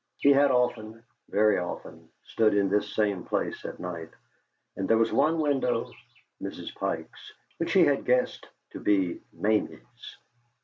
He had often, very often, stood in this same place at night, and there was one window (Mrs. Pike's) which he had guessed to be Mamie's.